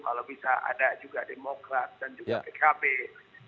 kalau bisa ada juga demokrat dan juga pkb